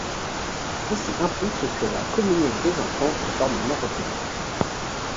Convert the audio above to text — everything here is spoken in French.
Ceci implique que la communion des enfants est formellement reconnue.